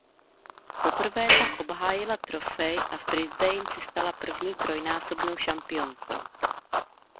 Poprvé tak obhájila trofej a v Brisbane se stala první trojnásobnou šampionkou.